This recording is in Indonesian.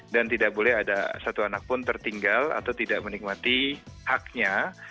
dan tidak boleh ada satu anak pun tertinggal atau tidak menikmati haknya